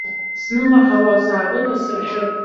Снылаҳауа саауеит асыршәы.